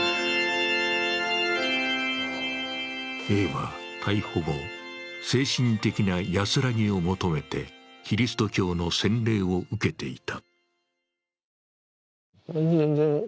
Ａは逮捕後、精神的な安らぎを求めてキリスト教の洗礼を受けていた。